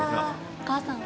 お母さん。